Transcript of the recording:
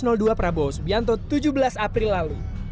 pada dua belas prabowo subianto tujuh belas april lalu